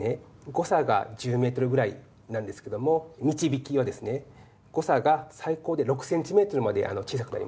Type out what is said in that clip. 誤差が１０メートルぐらいなんですけどもみちびきはですね誤差が最高で６センチメートルまで小さくなります。